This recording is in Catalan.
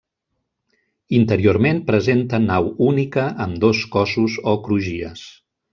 Interiorment presenta nau única amb dos cossos o crugies.